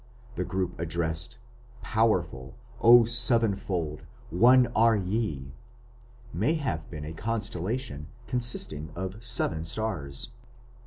The group addressed, "Powerful, O sevenfold, one are ye", may have been a constellation consisting of seven stars.